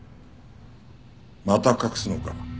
また隠すのか？